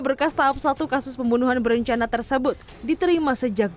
berkas tahap satu kasus pembunuhan berencana tersebut diterima oleh ketua komunikasi pertahanan